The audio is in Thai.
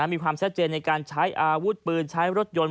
มีความชัดเจนในการใช้อาวุธปืนใช้รถยนต์